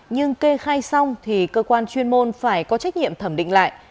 ngay xong thì cơ quan chuyên môn phải có trách nhiệm thẩm định lại